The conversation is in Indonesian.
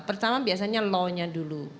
pertama biasanya low nya dulu